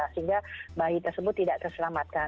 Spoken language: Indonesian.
sehingga bayi tersebut tidak terselamatkan